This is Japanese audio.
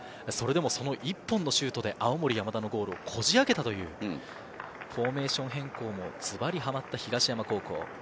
でもその１本のシュートで青森山田のゴールをこじあけたというフォーメーションを変更もズバリはまった東山高校。